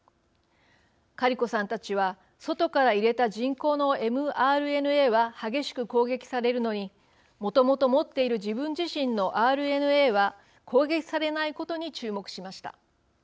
カリコさんたちは外から入れた人工のｍＲＮＡは激しく攻撃されるのにもともと持っている自分自身のｍＲＮＡは攻撃されないことに注目しました。